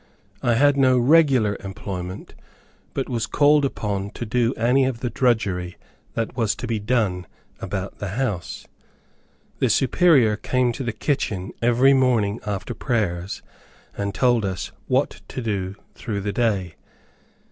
I had no regular employment, but was called upon to do any of the drudgery that was to be done about the house. The Superior came to the kitchen every morning after prayers and told us what to do through the day.